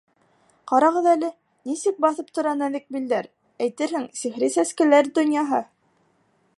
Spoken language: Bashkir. Ҡарағыҙ әле, нисек баҫып тора нәҙек билдәр, әйтерһең. сихри сәскәләр донъяһы!